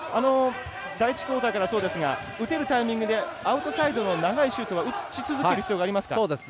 第１クオーターからそうですが打てるタイミングでアウトサイドの長いシュートは打ち続ける必要ありますか？